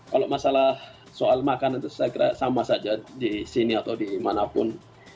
kalau masalah soal makan itu saya kira sama saja di sini atau di mana pun